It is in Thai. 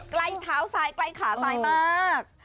ใกล้เท้าซ้ายใกล้ขาซ้ายมาก